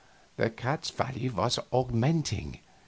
The cat's value was augmenting.